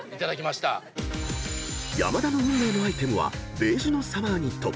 ［山田の運命のアイテムはベージュのサマーニット］